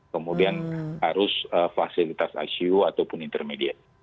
kemudian harus fasilitas icu ataupun intermediate